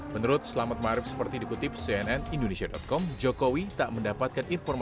menurut selamat marif seperti dikutipnya